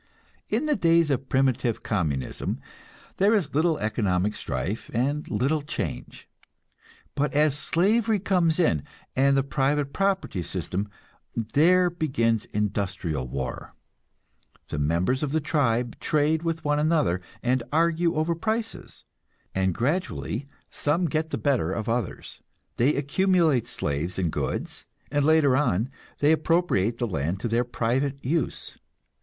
In the days of primitive communism there is little economic strife and little change; but as slavery comes in, and the private property system, there begins industrial war the members of the tribe trade with one another, and argue over prices, and gradually some get the better of others, they accumulate slaves and goods, and later on they appropriate the land to their private use.